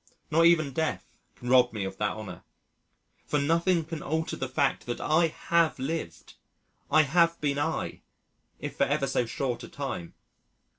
Not even Death can rob me of that honour. For nothing can alter the fact that I have lived; I have been I, if for ever so short a time.